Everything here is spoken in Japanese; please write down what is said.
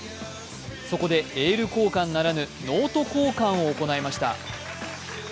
そこでエール交換ならぬノート交換を行いました。